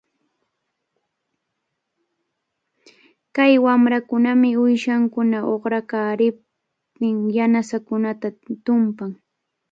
Kay wamrakunami uyshankuna uqranqanpita yanasankunata tumpan.